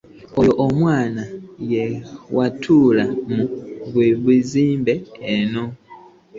Oyo omwana ye w'ettulu mu ba muzibe nno.